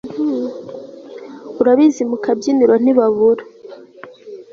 urabizi mukabyiniro ntibabura